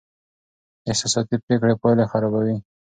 احساساتي پرېکړې پایلې خرابوي.